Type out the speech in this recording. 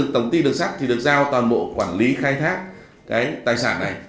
tổng ty đường sắt thì được giao toàn bộ quản lý khai thác cái tài sản này